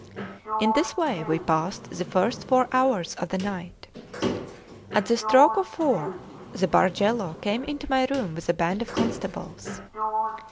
In this way we passed the first four hours of the night. At the stroke of four the Bargello came into my room with a band of constables.